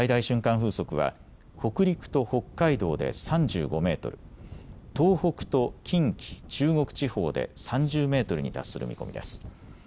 風速は北陸と北海道で３５メートル、東北と近畿、中国地方で３０メートルに達する見込みです。